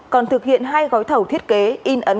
còn thực hiện hai gói thầu thiết kế in ấn